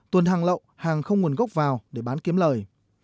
tuần hàng lậu hàng không nguồn gốc vào để bán kiếm lời